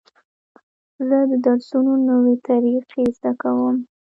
زه د درسونو نوې طریقې زده کوم.